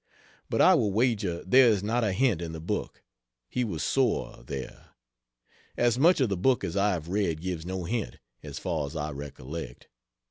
But I will wager there is not a hint in the book. He was sore, there. As much of the book as I have read gives no hint, as far as I recollect.